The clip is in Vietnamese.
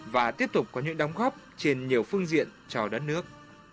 và tiếp tục có những đóng góp trên nhiều phương diện cho đất nước